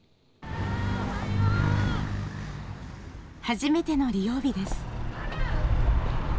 初めての利用日です。